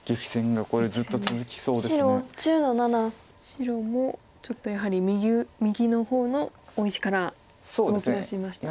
白もちょっとやはり右の方の大石から動きだしましたね。